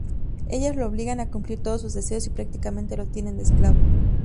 Ellas lo obligan a cumplir todos sus deseos y prácticamente lo tienen de esclavo.